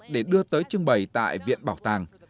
để đưa tới trưng bày tại viện bảo tàng